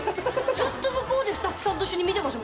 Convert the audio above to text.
ずっと向こうでスタッフさんと一緒に見てました